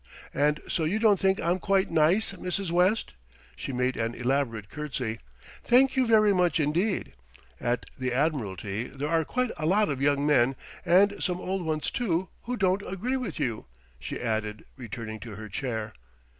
"And so you don't think I'm quite nice, Mrs. West?" She made an elaborate curtsey. "Thank you very much indeed. At the Admiralty there are quite a lot of young men, and some old ones, too, who don't agree with you," she added, returning to her chair.